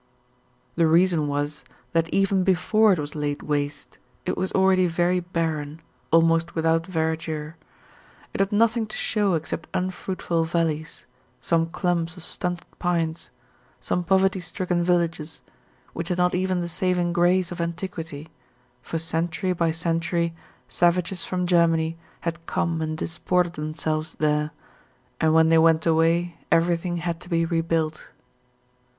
The reason was that even before it was laid waste it was already very barren, almost without verdure; it had nothing to show except unfruitful valleys, some clumps of stunted pines, some poverty stricken villages, which had not even the saving grace of antiquity, for century by century savages from Germany had come and disported themselves there, and when they went away everything had to be rebuilt.